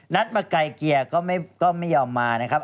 นัดมาไกลเกลี่ยก็ไม่ยอมมานะครับ